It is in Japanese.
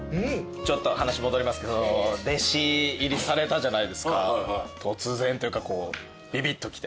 ちょっと話戻りますけど弟子入りされたじゃないですか突然というかびびっときて。